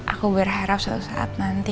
aku berharap suatu saat nanti